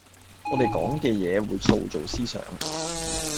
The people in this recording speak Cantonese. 我地講嘅嘢會塑造思想